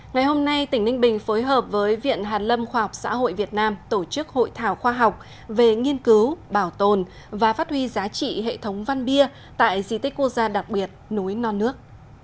ngày hôm nay tỉnh ninh bình phối hợp với viện hàn lâm khoa học xã hội việt nam tổ chức hội thảo khoa học về nghiên cứu bảo tồn và phát huy giá trị hệ thống văn bia tại di tích quốc gia đặc biệt núi non nước